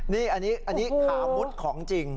นี่อันนี้ขามุดของจริง